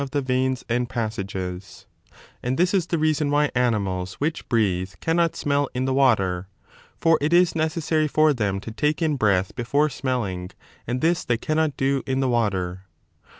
vost τινὰ Rek. CHS. 9, 10 4228 4—422a 31 95 reason why animals which breathe cannot smell in the water. For it is necessary for them to take in breath before smelling and this they cannot do in the water.